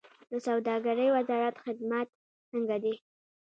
د سوداګرۍ وزارت خدمات څنګه دي؟